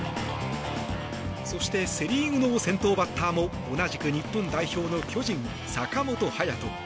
そしてセ・リーグの先頭バッターも同じく日本代表の巨人、坂本勇人。